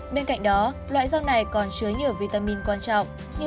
bên cạnh đó loại rau này còn chứa nhiều vitamin quan trọng như